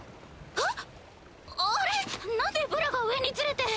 あっ？